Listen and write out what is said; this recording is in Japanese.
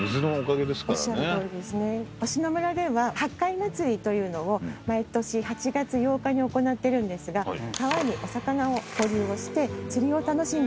忍野村では八海祭りというのを毎年８月８日に行ってるんですが川にお魚を放流して釣りを楽しんでいただいているんですね。